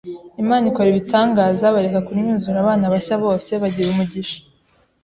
Imana ikora ibitangaza barekera kunnyuzura abana bashya bose bagira umugisha